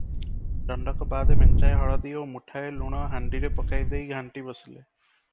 ଦଣ୍ଡକ ବାଦେ ମେଞ୍ଚାଏ ହଳଦି ଓ ମୁଠାଏ ଲୁଣ ହାଣ୍ଡିରେ ପକାଇ ଦେଇ ଘାଣ୍ଟି ବସିଲେ ।